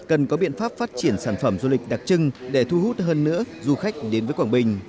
cần có biện pháp phát triển sản phẩm du lịch đặc trưng để thu hút hơn nữa du khách đến với quảng bình